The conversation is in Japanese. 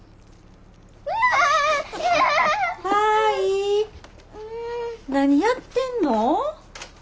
舞何やってんの？